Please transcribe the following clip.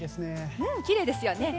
きれいですよね。